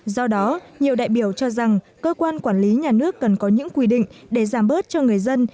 do đó nhiều đại biểu cho rằng cơ quan quản lý nhà nước cần có những quy định để giảm bớt cho người dân